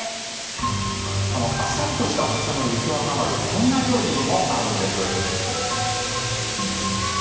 あっさりとしたおいしさの雪若丸こんな料理にも合うんです。